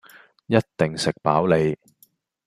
一定食飽你